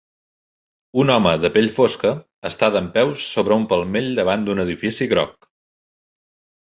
Un home de pell fosca està dempeus sobre un palmell davant d'un edifici groc.